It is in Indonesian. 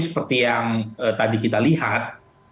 seperti yang tadi kita lihat